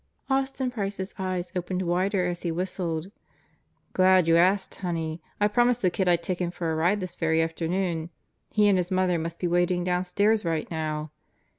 Austin Price's eyes opened wider as he whistled: "Glad you asked, honey. I promised the kid I'd take him for a ride this very afternoon. He and his mother must be waiting downstairs right now."